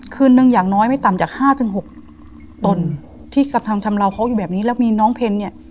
คืนนึงอย่างน้อยไม่ต่ำจากห้าถึงหกตนที่กระทำชำราวเขาอยู่แบบนี้แล้วมีน้องเพนเนี่ย